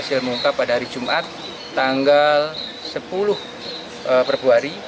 berhasil mengungkap pada hari jumat tanggal sepuluh februari